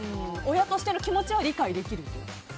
親としての気持ちは理解できると。